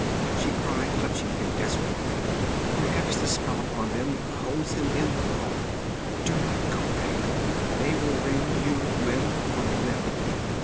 she cried, clutching him desperately. 'Perhaps the spell upon them holds them in the hall. Do not go back! They will rend you limb from limb!